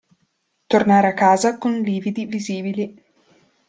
Tornare a casa con lividi visibili.